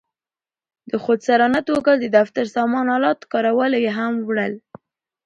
په خودسرانه توګه د دفتري سامان آلاتو کارول او یا هم وړل.